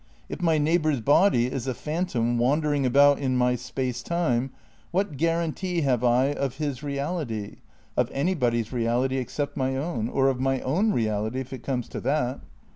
If my neighbour's body is a phantom wandering about in my space time, what guarantee have I of his reality, of anybody's reality except my own, or of my own reality, if it comes to that?